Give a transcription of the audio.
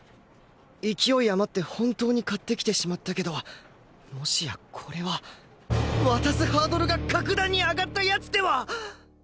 勢い余って本当に買ってきてしまったけどもしやこれは渡すハードルが格段に上がったやつでは！？